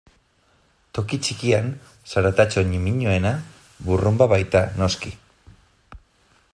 Toki txikian, zaratatxo ñimiñoena burrunba baita, noski.